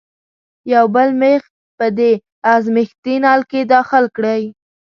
یو بل میخ په دې ازمیښتي نل کې داخل کړئ.